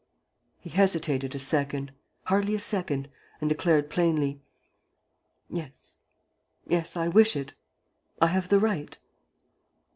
He hesitated a second, hardly a second, and declared, plainly: "Yes, yes, I wish it, I have the right."